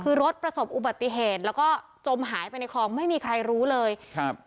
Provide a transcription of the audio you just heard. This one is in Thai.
คือรถประสบอุบัติเหตุแล้วก็จมหายไปในคลองไม่มีใครรู้เลยครับ